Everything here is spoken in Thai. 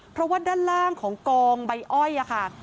เพราะว่าด้านล่างของกองใบอ้อยค่ะ